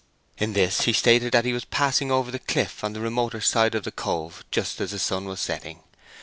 In this he stated that he was passing over the cliff on the remoter side of the cove just as the sun was setting.